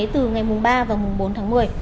từ ngày mùng ba và mùng bốn tháng một mươi